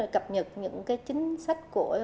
cập nhật những cái chính sách